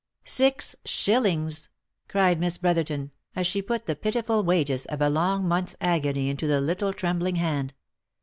« Six shillings !" cried Miss Brotherton, as she put the pitiful wages of a long month's agony into the little trembling hand.